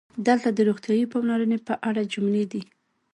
دلته د "روغتیايي پاملرنې" په اړه جملې دي: